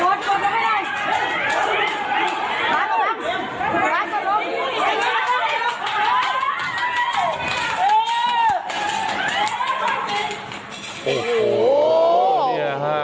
โอโหเนี่ยฮะ